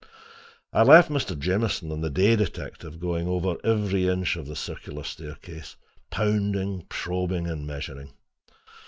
I left Mr. Jamieson and the day detective going over every inch of the circular staircase, pounding, probing and measuring.